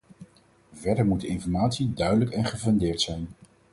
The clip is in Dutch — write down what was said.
Verder moet de informatie duidelijk en gefundeerd zijn.